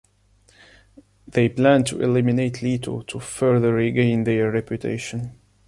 They plan to eliminate Lito to further regain their reputation.